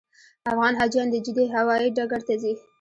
افغان حاجیان د جدې هوایي ډګر ته ځي.